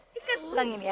pelan gini ya